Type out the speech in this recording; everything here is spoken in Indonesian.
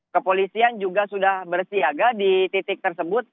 kepolisian juga sudah bersiaga di titik tersebut